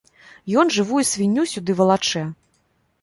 Ён жывую свінню сюды валачэ!